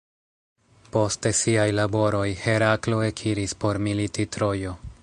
Poste siaj laboroj, Heraklo ekiris por militi Trojo.